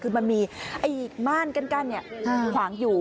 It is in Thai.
คือมันมีไอ้ม่านกั้นเนี่ยขวางอยู่